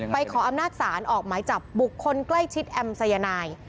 ขออำนาจศาลออกหมายจับบุคคลใกล้ชิดแอมสายนาย